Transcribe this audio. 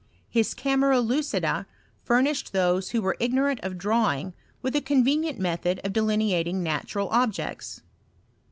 His camera lucida furnished those who were ignorant of drawing with a convenient method of delineating natural objects.